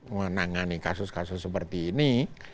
menangani kasus kasus seperti ini